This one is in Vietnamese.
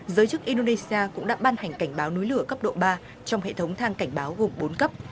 giới chức indonesia cũng đã ban hành cảnh báo núi lửa cấp độ ba trong hệ thống thang cảnh báo gồm bốn cấp